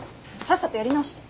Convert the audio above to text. さっさとやり直して。